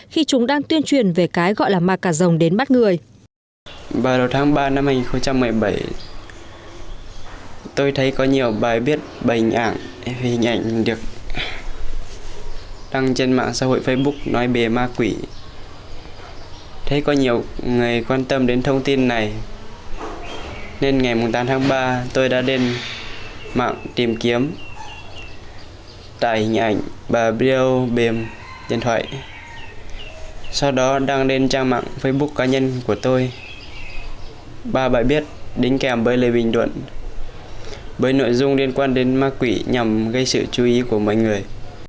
khi chúng đang tuyên truyền về cái gọi là ma cà rồng đến bắt người